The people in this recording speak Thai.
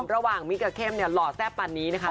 ระหว่างมิกะเข้มหล่อแซ่บปันนี้นะคะ